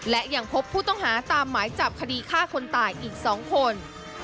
และยังพบผู้ต้องหาตามหมายจับคดีฆ่าคนตายอีก๒คน